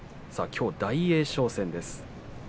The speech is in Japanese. きょうは大栄翔戦です。